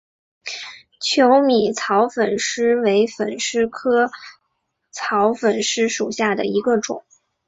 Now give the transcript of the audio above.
求米草粉虱为粉虱科草粉虱属下的一个种。